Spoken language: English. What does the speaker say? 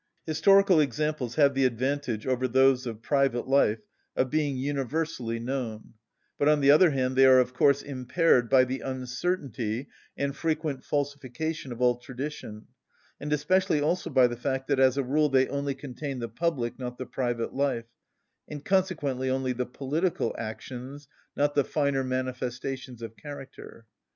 Historical examples have the advantage over those of private life of being universally known; but, on the other hand, they are of course impaired by the uncertainty and frequent falsification of all tradition, and especially also by the fact that as a rule they only contain the public, not the private life, and consequently only the political actions, not the finer manifestations of character.